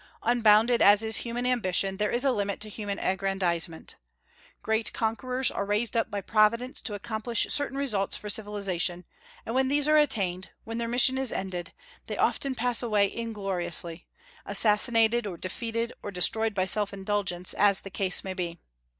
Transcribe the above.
Unbounded as is human ambition, there is a limit to human aggrandizement. Great conquerors are raised up by Providence to accomplish certain results for civilization, and when these are attained, when their mission is ended, they often pass away ingloriously, assassinated or defeated or destroyed by self indulgence, as the case may be.